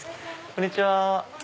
こんにちは。